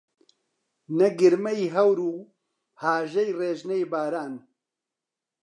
نە گرمەی هەور و هاژەی ڕێژنە باران